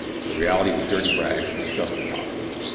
The reality was dirty rags and disgusting poverty.